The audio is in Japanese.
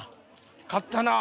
買ったなあ。